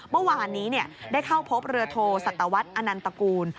เมื่อวานนี้ได้เข้าพบเรือโทสัตวรรษอนันตกูล